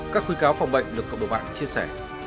các khuyến cáo phòng bệnh được cộng đồng bạn chia sẻ